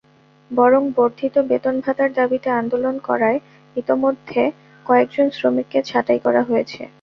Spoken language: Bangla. বরং বর্ধিত বেতন-ভাতার দাবিতে আন্দোলন করায় ইতিমধ্যে কয়েকজন শ্রমিককে ছাঁটাই করা হয়েছে।